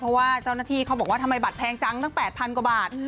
เพราะว่าเจ้าหน้าที่เขาบอกว่าทำไมบัตรแพงจังตั้ง๘๐๐กว่าบาท